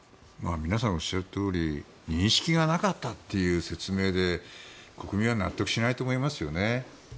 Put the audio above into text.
皆さんがおっしゃっている認識がなかったという説明で国民は納得しないと思いますよね。